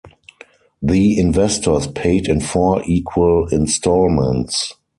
The investors paid in four equal instalments.